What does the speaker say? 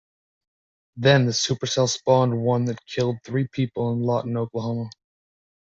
Then the supercell spawned one that killed three people in Lawton, Oklahoma.